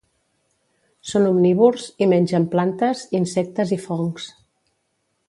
Són omnívors, i mengen plantes, insectes i fongs.